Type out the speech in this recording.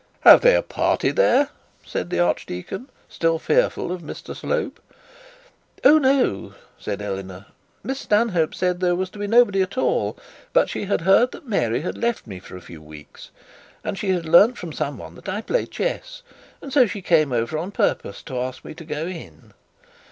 'Have they a party there?' said the archdeacon, still fearful of Mr Slope. 'Oh, no,' said Eleanor; 'Miss Stanhope said there was to be nobody at all. But she had learnt that Mary had left me for a few weeks, and she had learnt from some one that I play chess, and so she came over on purpose to ask me to go in.'